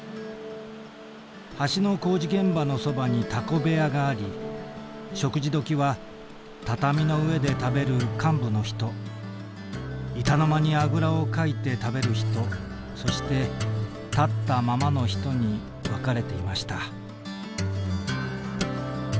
橋の工事現場のそばにタコ部屋があり食事時は畳の上で食べる幹部の人板の間にあぐらをかいて食べる人そして立ったままの人に分かれていました」。